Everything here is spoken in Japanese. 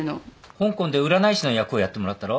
香港で占い師の役をやってもらったろ？